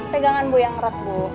pegangan bu yang rek bu